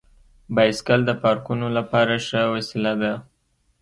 بایسکل د پارکونو لپاره ښه وسیله ده.